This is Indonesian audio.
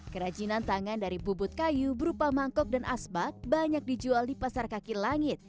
kerajinan tangan dari bubut kayu berupa mangkok dan asbak banyak dijual di pasar kaki langit